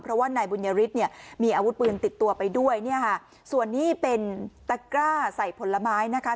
เพราะว่านายบุญยฤทธิ์เนี่ยมีอาวุธปืนติดตัวไปด้วยเนี่ยค่ะส่วนนี้เป็นตะกร้าใส่ผลไม้นะคะ